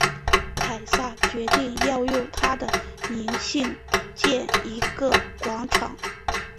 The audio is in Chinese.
凯撒决定要用他的名兴建一个广场。